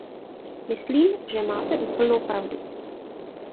Myslím, že máte úplnou pravdu.